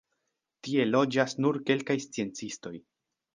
Tie loĝas nur kelkaj sciencistoj.